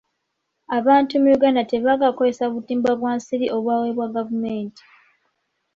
Abantu mu Uganda tebaagala kukozesa butimba bwa nsiri obubaweebwa gavumenti.